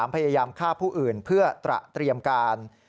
พยายามฆ่าผู้อื่นเพื่อตระเตรียมการ